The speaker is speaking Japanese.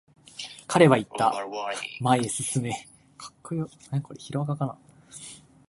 彼は言った、前へ進め。